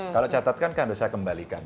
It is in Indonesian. kalau catatkan kan saya kembalikan